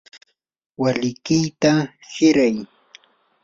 walikiyta hiray.